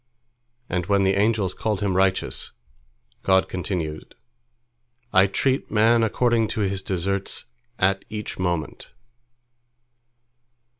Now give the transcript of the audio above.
and when the angels called him righteous, God continued, "I treat man according to his deserts at each moment."